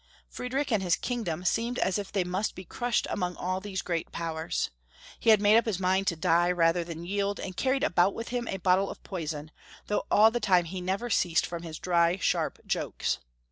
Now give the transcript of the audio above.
Friedrich and his kingdom seemed as if they must be crushed among all these great powers. He had made up his mind to die rather than yield, and carried about with him a bottle of poison, though all the time he never ceased from his dry, sharp jokes.